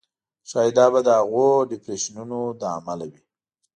ښایي دا به د هغو ډېپریشنونو له امله وي.